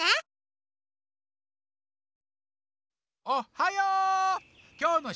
おっはよう！